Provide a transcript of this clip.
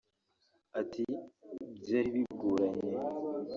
Ati “Byari bigoranye